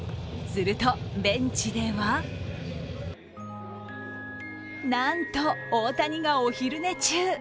すると、ベンチではなんと大谷がお昼寝中。